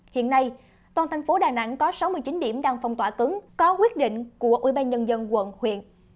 hiện nay toàn thành phố đà nẵng có sáu mươi chín điểm đang phong tỏa cứng có quyết định của ubnd quận huyện